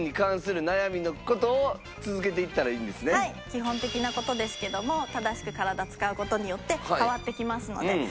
基本的な事ですけども正しく体を使う事によって変わってきますので。